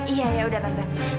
iya ya udah tante